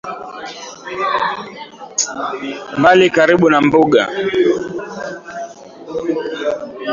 mbali karibu na mbuga